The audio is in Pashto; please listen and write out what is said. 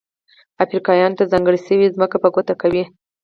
افریقایانو ته ځانګړې شوې ځمکه په ګوته کوي.